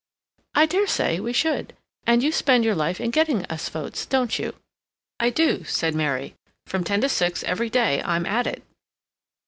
"I dare say we should. And you spend your life in getting us votes, don't you?" "I do," said Mary, stoutly. "From ten to six every day I'm at it."